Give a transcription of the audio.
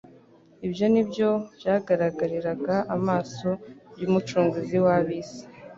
Ibyo ni byo byagaragariraga amaso y'Umucunguzi w'ab'isi.